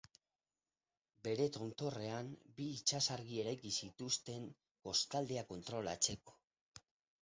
Bere tontorrean bi itsasargi eraiki zituzten kostaldea kontrolatzeko.